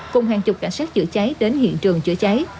cùng hàng chục cảnh sát chữa cháy đến hiện trường chữa cháy